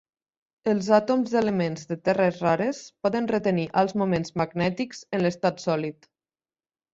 Els àtoms d'elements de terres rares poden retenir alts moments magnètics en l'estat sòlid.